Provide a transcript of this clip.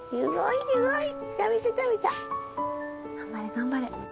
頑張れ頑張れ。